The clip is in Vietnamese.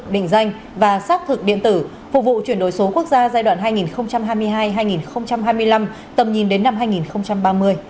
định danh và xác thực điện tử phục vụ chuyển đổi số quốc gia giai đoạn hai nghìn hai mươi hai hai nghìn hai mươi năm tầm nhìn đến năm hai nghìn ba mươi